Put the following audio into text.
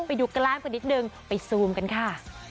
ไปดูกล้ามกันนิดนึงไปซูมกันค่ะ